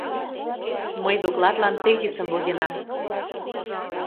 Мый докладлан тезисым возенам.